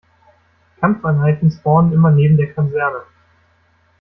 Kampfeinheiten spawnen immer neben der Kaserne.